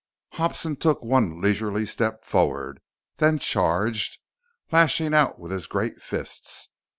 Hobson took one leisurely step forward, then charged, lashing out with his great fists.